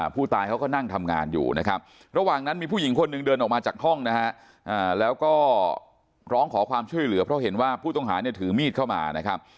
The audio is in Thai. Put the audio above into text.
ผู้ตายเขาก็นั่งทำงานอยู่นะครับระหว่างนั้นมีผู้หญิงคนหนึ่งเดินออกมาจากห้องนะฮะแล้วก็ร้องขอความช่วยเหลือเพราะเห็นว่าผู้ต้องหาเนี่ยถือมีดเข้ามานะครับ